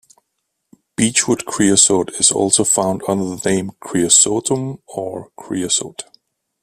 Beechwood creosote is also found under the name "kreosotum" or "kreosote".